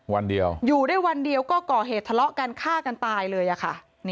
วันเดียวอยู่ได้วันเดียวก็ก่อเหตุทะเลาะกันฆ่ากันตายเลยค่ะ